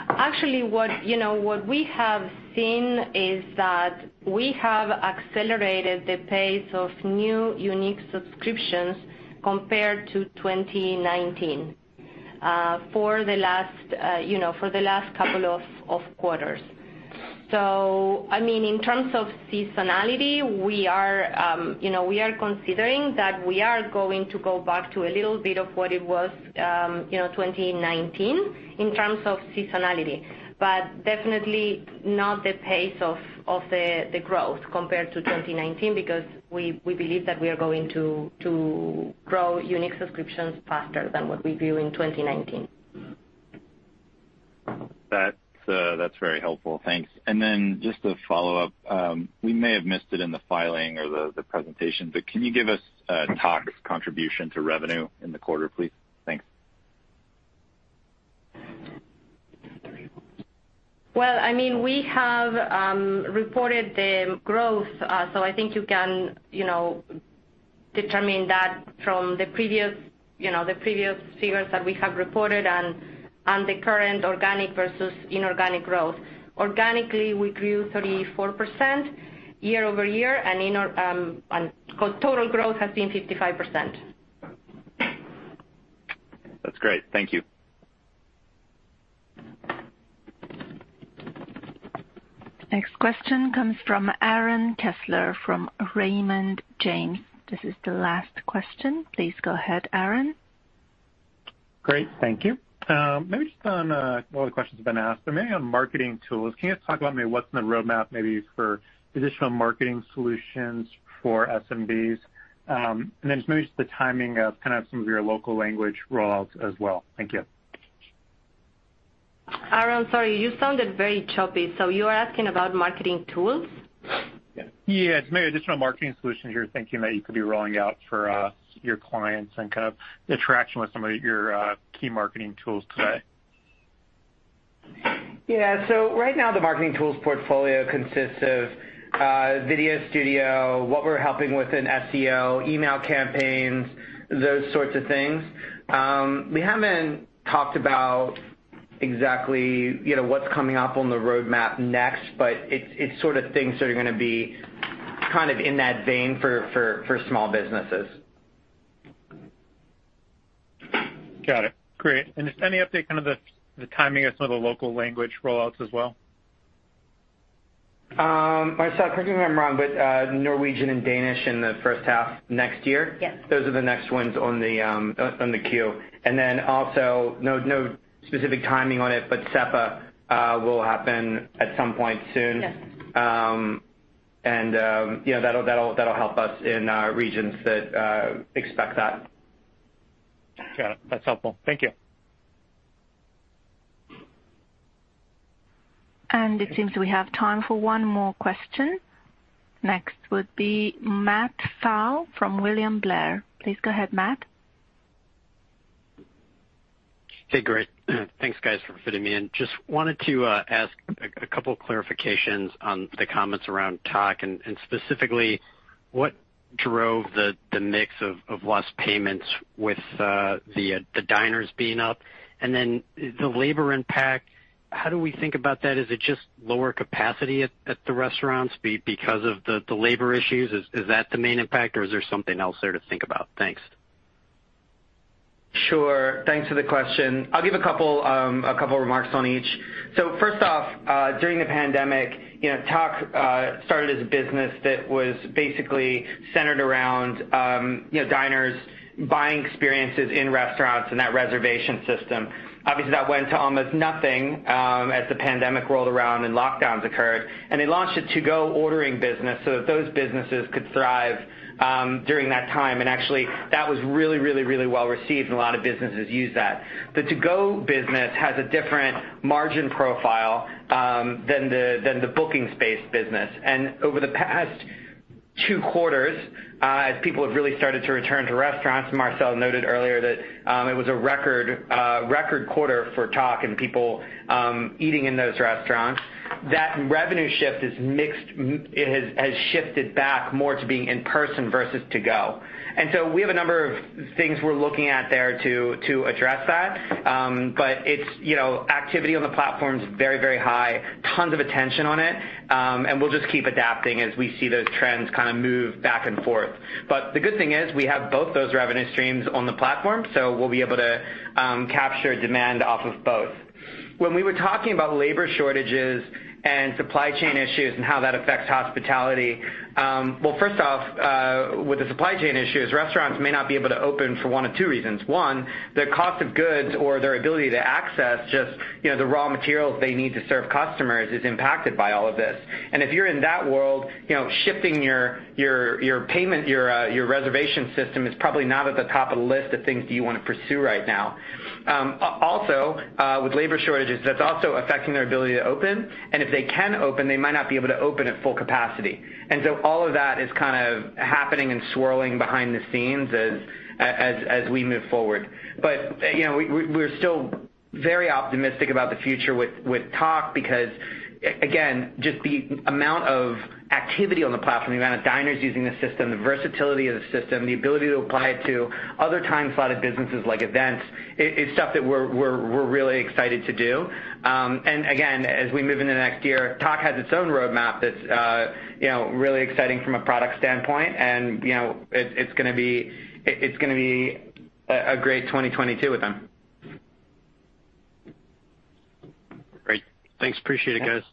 Actually, what you know, what we have seen is that we have accelerated the pace of new unique subscriptions compared to 2019 for the last couple of quarters. I mean, in terms of seasonality, we are you know, we are considering that we are going to go back to a little bit of what it was 2019 in terms of seasonality. But definitely not the pace of the growth compared to 2019 because we believe that we are going to grow unique subscriptions faster than what we grew in 2019. That's very helpful. Thanks. Just a follow-up. We may have missed it in the filing or the presentation, but can you give us Tock's contribution to revenue in the quarter, please? Thanks. Well, I mean, we have reported the growth, so I think you can, you know, determine that from the previous, you know, the previous figures that we have reported on the current organic versus inorganic growth. Organically, we grew 34% year-over-year, and total growth has been 55%. That's great. Thank you. Next question comes from Aaron Kessler from Raymond James. This is the last question. Please go ahead, Aaron. Great. Thank you. Maybe just on a lot of questions have been asked, but maybe on marketing tools. Can you just talk about maybe what's in the roadmap maybe for additional marketing solutions for SMBs? Then just maybe the timing of kind of some of your local language rollouts as well. Thank you. Aaron, sorry, you sounded very choppy. You're asking about marketing tools? Yeah. Yes, maybe additional marketing solutions you're thinking that you could be rolling out for your clients and kind of the traction with some of your key marketing tools today? Yeah. Right now the marketing tools portfolio consists of Video Studio, what we're helping with in SEO, email campaigns, those sorts of things. We haven't talked about exactly, you know, what's coming up on the roadmap next, but it's sort of things that are gonna be kind of in that vein for small businesses. Got it. Great. Just any update kind of the timing of some of the local language rollouts as well? Marcela, correct me if I'm wrong, but Norwegian and Danish in the first half next year? Yes. Those are the next ones on the queue. Then also, no specific timing on it, but SEPA will happen at some point soon. Yes. Yeah, that'll help us in regions that expect that. Got it. That's helpful. Thank you. It seems we have time for one more question. Next would be Matt Pfau from William Blair. Please go ahead, Matt. Hey, great. Thanks, guys, for fitting me in. Just wanted to ask a couple clarifications on the comments around Tock, and specifically, what drove the mix of lost payments with the diners being up? And then the labor impact, how do we think about that? Is it just lower capacity at the restaurants because of the labor issues? Is that the main impact, or is there something else there to think about? Thanks. Sure. Thanks for the question. I'll give a couple remarks on each. First off, during the pandemic, you know, Tock started as a business that was basically centered around, you know, diners buying experiences in restaurants and that reservation system. Obviously, that went to almost nothing, as the pandemic rolled around and lockdowns occurred. They launched a to-go ordering business so that those businesses could thrive during that time. Actually, that was really well-received, and a lot of businesses used that. The to-go business has a different margin profile than the booking space business. Over the past two quarters, as people have really started to return to restaurants, Marcela noted earlier that it was a record quarter for Tock and people eating in those restaurants. That revenue shift is mixed. It has shifted back more to being in person versus to go. We have a number of things we're looking at there to address that. But it's, you know, activity on the platform is very, very high. Tons of attention on it. We'll just keep adapting as we see those trends kinda move back and forth. But the good thing is we have both those revenue streams on the platform, so we'll be able to capture demand off of both. When we were talking about labor shortages and supply chain issues and how that affects hospitality, well, first off, with the supply chain issues, restaurants may not be able to open for one of two reasons. One, the cost of goods or their ability to access just, you know, the raw materials they need to serve customers is impacted by all of this. If you're in that world, you know, shifting your payment, your reservation system is probably not at the top of the list of things that you wanna pursue right now. Also, with labor shortages, that's also affecting their ability to open, and if they can open, they might not be able to open at full capacity. All of that is kind of happening and swirling behind the scenes as we move forward. But you know, we're still very optimistic about the future with Tock because again, just the amount of activity on the platform, the amount of diners using the system, the versatility of the system, the ability to apply it to other time-slotted businesses like events, it's stuff that we're really excited to do. Again, as we move into next year, Tock has its own roadmap that's you know, really exciting from a product standpoint. You know, it's gonna be a great 2022 with them. Great. Thanks. Appreciate it, guys.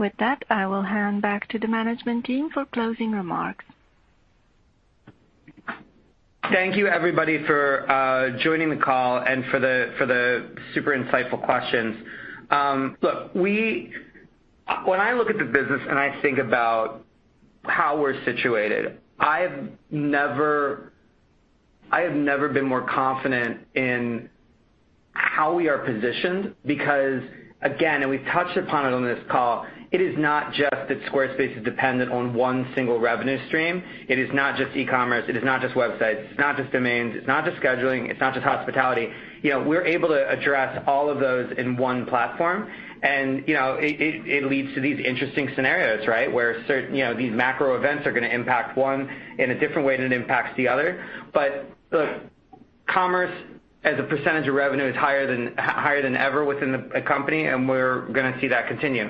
Yeah. With that, I will hand back to the management team for closing remarks. Thank you, everybody, for joining the call and for the super insightful questions. Look, when I look at the business and I think about how we're situated, I have never been more confident in how we are positioned because, again, we've touched upon it on this call, it is not just that Squarespace is dependent on one single revenue stream. It is not just e-commerce. It is not just websites. It's not just domains. It's not just scheduling. It's not just hospitality. You know, we're able to address all of those in one platform. And you know, it leads to these interesting scenarios, right? Where you know, these macro events are gonna impact one in a different way than it impacts the other. But look, commerce as a percentage of revenue is higher than ever within the company, and we're gonna see that continue.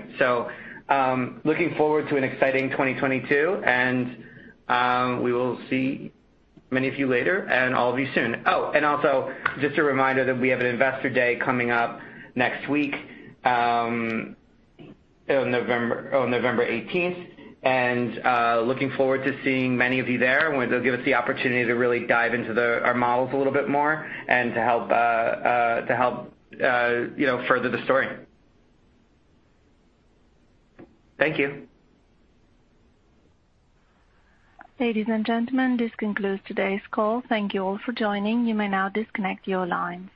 Looking forward to an exciting 2022, and we will see many of you later and all of you soon. Oh, and also just a reminder that we have an investor day coming up next week, on November 18th. Looking forward to seeing many of you there. It'll give us the opportunity to really dive into our models a little bit more and to help you know further the story. Thank you. Ladies and gentlemen, this concludes today's call. Thank you all for joining. You may now disconnect your lines.